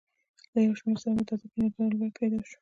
له یو شمېر سره مې تازه پېژندګلوي پیدا شوه.